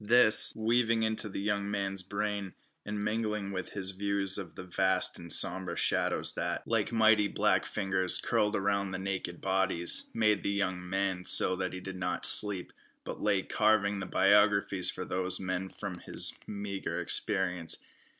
This, weaving into the young man's brain, and mingling with his views of the vast and sombre shadows that, like mighty black fingers, curled around the naked bodies, made the young man so that he did not sleep, but lay carving the biographies for these men from his meagre experience.